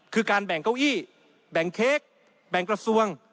คือการแบ่งเก้าอี้แบ่งเค้กแบ่งกระทรวง